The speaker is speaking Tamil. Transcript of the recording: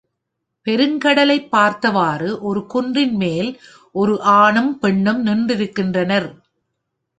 பெருங்கடலைப் பார்த்தவாறு ஒரு குன்றின் மேல் ஒரு ஆணும் பெண்ணும் நின்றிருக்கின்றனர்